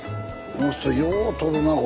この人よう取るなこれ。